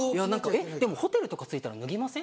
えっでもホテルとか着いたら脱ぎません？